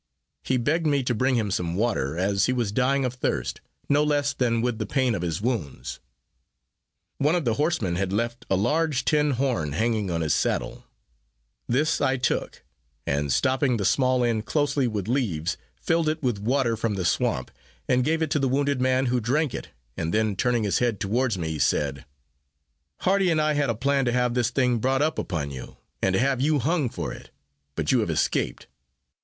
He begged me to bring him some water, as he was dying of thirst, no less than with the pain of his wounds. One of the horsemen had left a large tin horn hanging on his saddle; this I took, and stopping the small end closely with leaves, filled it with water from the swamp, and gave it to the wounded man, who drank it, and then turning his head towards me, said: "Hardy and I had laid a plan to have this thing brought upon you, and to have you hung for it but you have escaped."